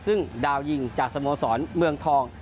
ซึ่งดาวยิงจากสโมสรเมืองทอง